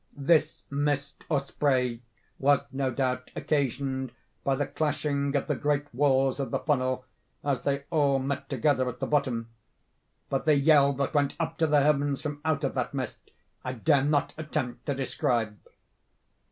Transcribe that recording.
This mist, or spray, was no doubt occasioned by the clashing of the great walls of the funnel, as they all met together at the bottom—but the yell that went up to the Heavens from out of that mist, I dare not attempt to describe.